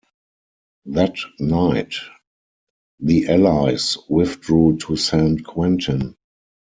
That night, the Allies withdrew to Saint-Quentin.